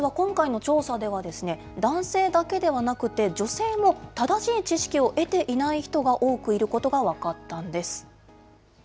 実は今回の調査では、男性だけではなくて、女性も正しい知識を得ていない人が多くいることが分かったんです。